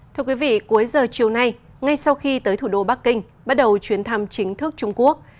thưa quý vị cuối giờ chiều nay ngay sau khi tới thủ đô bắc kinh bắt đầu chuyến thăm chính thức trung quốc